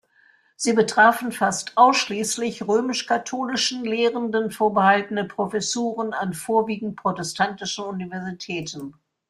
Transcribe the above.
Sie betrafen fast ausschließlich römisch-katholischen Lehrenden vorbehaltene Professuren an vorwiegend protestantischen Universitäten.